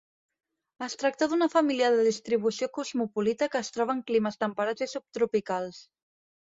Es tracta d'una família de distribució cosmopolita que es troba en climes temperats i subtropicals.